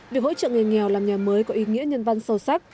việc hỗ trợ người nghèo làm nhà mới có ý nghĩa nhân văn sâu sắc